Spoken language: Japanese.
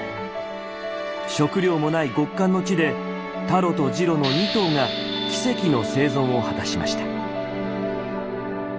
食料もない極寒の地でタロとジロの２頭が奇跡の生存を果たしました。